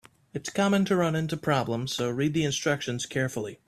It's common to run into problems, so read the instructions carefully.